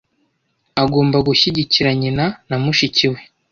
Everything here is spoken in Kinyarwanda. Agomba gushyigikira nyina na mushiki we .